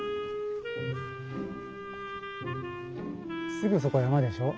すぐそこ山でしょう？